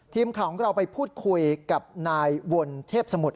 ทีมข่าวของเราไปพูดคุยกับนายวนเทพสมุทร